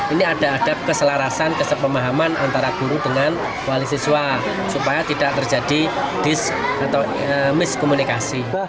ini ada keselarasan kesepemahaman antara guru dengan wali siswa supaya tidak terjadi di miskomunikasi